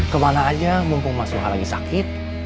ke mana aja mumpung emak suha lagi sakit